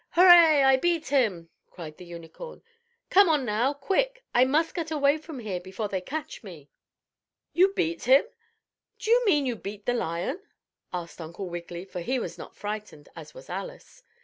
"Hurray! I beat him!" cried the Unicorn. "Come on now, quick, I must get away from here before they catch me!" "You beat him? Do you mean beat the Lion?" asked Uncle Wiggily for he was not frightened as was Alice.